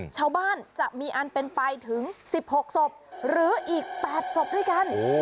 ชาวบ้านจะมีอันเป็นไปถึง๑๖ศพหรืออีก๘ศพด้วยกัน